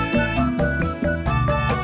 ya ampun bobi